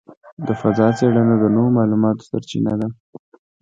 د فضاء څېړنه د نوو معلوماتو سرچینه ده.